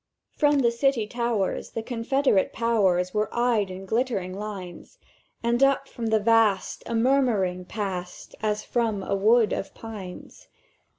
"From the City towers the Confederate Powers Were eyed in glittering lines, And up from the vast a murmuring passed As from a wood of pines.